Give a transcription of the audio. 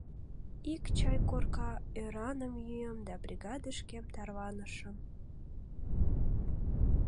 Ик чай корка ӧраным йӱым да бригадышкем тарванышым.